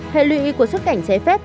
hệ lưu ý của xuất cảnh xé phép